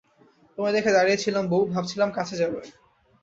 তোমায় দেখে দাঁড়িয়েছিলাম বৌ, ভাবছিলাম কাছে যাবে।